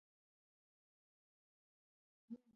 ډبرې د ستونزو پر مهال مرسته کوي.